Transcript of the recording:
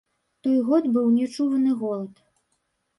Той год быў нечуваны голад.